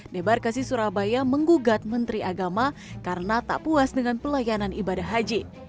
debarkasi surabaya menggugat menteri agama karena tak puas dengan pelayanan ibadah haji